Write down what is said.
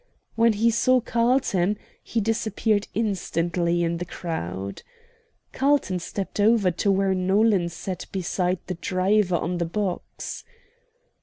When he saw Carlton he disappeared instantly in the crowd. Carlton stepped over to where Nolan sat beside the driver on the box.